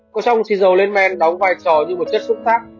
có trong trì dầu lên men đóng vai trò như một chất xúc tác